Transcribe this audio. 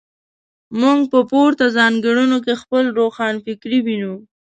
موږ په پورته ځانګړنو کې خپله روښانفکري وینو.